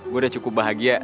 gue udah cukup bahagia